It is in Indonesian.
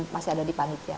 masih ada di panitia